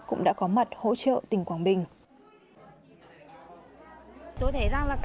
cũng đã có mặt hỗ trợ tỉnh quảng bình